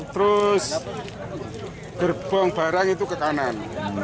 terus gerbong barang itu ke kanan